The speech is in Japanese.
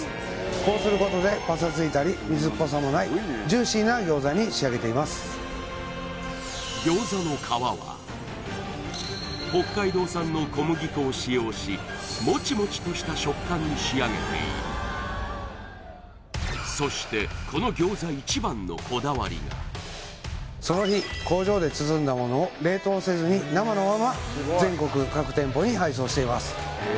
こうすることでパサついたり水っぽさのないジューシーな餃子に仕上げていますを使用しモチモチとした食感に仕上げているそしてこの餃子その日工場で包んだものを冷凍せずに生のまま全国各店舗に配送しています